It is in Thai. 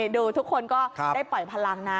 ดูทุกคนก็ได้ปล่อยพลังนะ